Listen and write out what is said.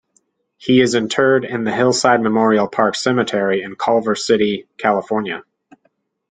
He is interred in the Hillside Memorial Park Cemetery in Culver City, California.